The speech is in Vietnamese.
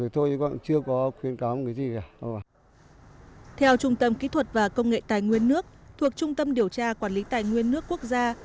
theo trung tâm kỹ thuật và công nghệ tài nguyên nước thuộc trung tâm điều tra quản lý tài nguyên nước quốc gia